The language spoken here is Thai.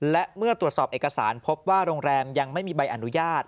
และเมื่อตรวจสอบเอกสารพบว่าโรงแรมยังไม่มีใบอนุญาต